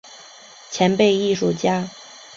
前辈艺术家